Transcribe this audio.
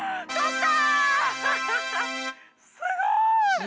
すごい！